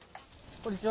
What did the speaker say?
こんにちは。